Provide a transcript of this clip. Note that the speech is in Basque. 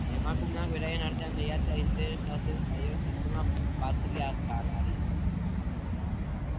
Emakumeak beraien artean lehiatzea interesatzen zaio sistema patriarkalari.